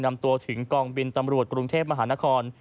นำตัวถึงกองบินตำรวจกรุงเทพมหานคร